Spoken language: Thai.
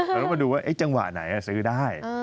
เราต้องมาดูว่าจังหวะไหนซื้อได้